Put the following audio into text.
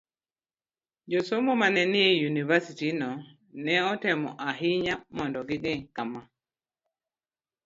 Josomo ma ne nie yunivasitino ne otemo ahinya mondo ging'e kama